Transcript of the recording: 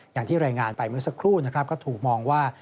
อย่างที่รายงานไปเมื่อสักครู่นะครับก็ถูกมองว่า